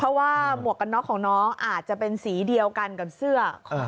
เพราะว่าหมวกกันน็อกของน้องอาจจะเป็นสีเดียวกันกับเสื้อ